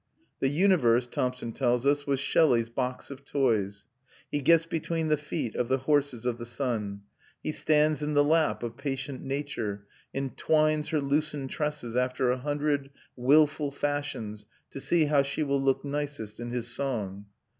The universe, Thompson tells us, was Shelley's box of toys. "He gets between the feet of the horses of the sun. He stands in the lap of patient Nature, and twines her loosened tresses after a hundred wilful fashions, to see how she will look nicest in his song."